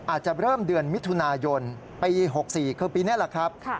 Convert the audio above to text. อาจจะเริ่มเดือนมิถุนายนปี๖๔คือปีนี้แหละครับ